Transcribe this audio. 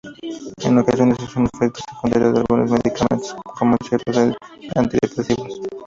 En ocasiones es un efecto secundario de algunos medicamentos, como ciertos antidepresivos.